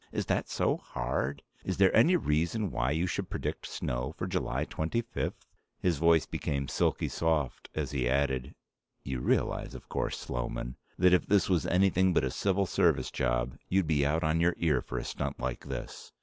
Is that so hard? Is there any reason why you should predict snow for July 25th?" His voice became silky soft as he added, "You realize, of course, Sloman, that if this was anything but a civil service job you'd be out on your ear for a stunt like this!